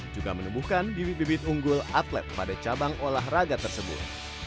juga menumbuhkan bibit bibit unggul atlet pada cabang olahraga tersebut